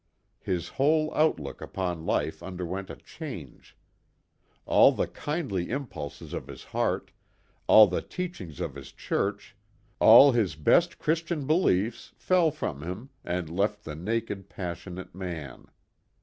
His whole outlook upon life underwent a change. All the kindly impulses of his heart, all the teachings of his church, all his best Christian beliefs, fell from him, and left him the naked, passionate man.